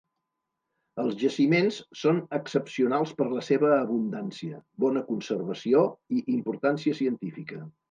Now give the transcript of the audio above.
Els jaciments són excepcionals per la seva abundància, bona conservació i importància científica.